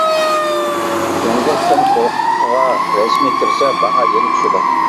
جۇڭگو چوڭ قۇرۇقلۇقىغا رەسمىي كىرسە باھا يەنە چۈشىدۇ.